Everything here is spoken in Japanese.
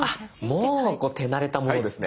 あっもう手慣れたものですね。